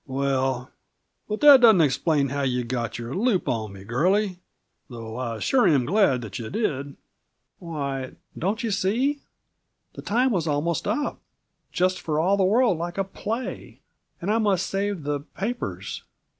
"Well, but that doesn't explain how you got your loop on me, girlie though I sure am glad that you did!" "Why, don't you see, the time was almost up, just for all the world like a play. 'Only one day more and I must save the pa apers!'